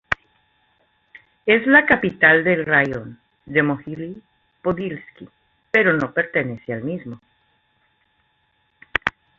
Es la capital del raión de Mohyliv-Podilskyi, pero no pertenece al mismo.